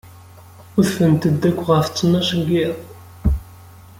Udfent-d akk ɣef ttnac n yiḍ.